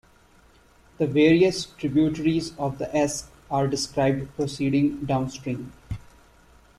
The various tributaries of the Esk are described proceeding downstream.